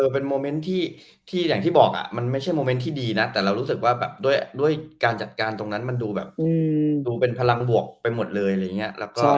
เป็นโมเม้นท์ที่ไม่ใช่โมเม้นท์ที่ดีนะแต่เรารู้สึกว่าการจัดการตรงนั้นดูเป็นพลังบวกไปหมดเลย